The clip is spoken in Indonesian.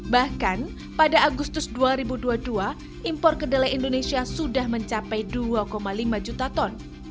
bahkan pada agustus dua ribu dua puluh dua impor kedelai indonesia sudah mencapai dua lima juta ton